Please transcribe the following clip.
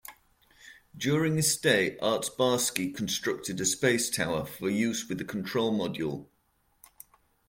During his stay, Artsebarsky constructed a space tower for use with a control module.